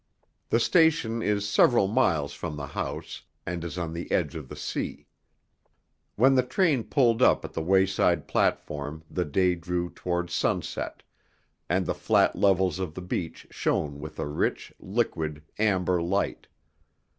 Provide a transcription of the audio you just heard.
The station is several miles from the house, and is on the edge of the sea. When the train pulled up at the wayside platform the day drew towards sunset, and the flat levels of the beach shone with a rich, liquid, amber light.